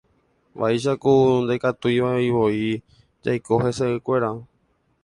Vaicháku ndaikatuivavoi jaiko hese'ỹkuéra.